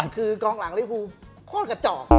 คือกองหลังลิฟูโคตรกระจอก